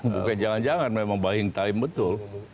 bukan jangan jangan memang buying time betul